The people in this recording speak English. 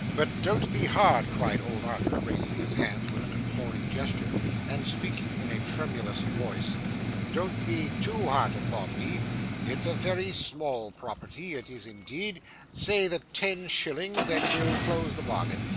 'But don't be hard,' cried old Arthur, raising his hands with an imploring gesture, and speaking, in a tremulous voice. 'Don't be too hard upon me. It's a very small property, it is indeed. Say the ten shillings, and we'll close the bargain.